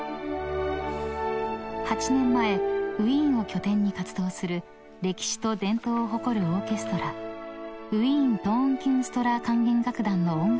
［８年前ウィーンを拠点に活動する歴史と伝統を誇るオーケストラウィーントーンキュンストラー管弦楽団の音楽監督に就任］